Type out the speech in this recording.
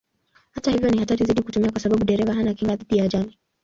Hata hivyo ni hatari zaidi kuitumia kwa sababu dereva hana kinga dhidi ya ajali.